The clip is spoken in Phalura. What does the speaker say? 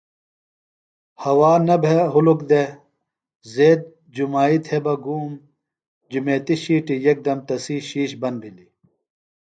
ہوا نہ بھےۡ ہُلُک دےۡ۔ زید جُمائی تھےگُوم۔ جمیتیۡ شیٹیۡ یکدم تسی شِیش بند بِھلیۡ۔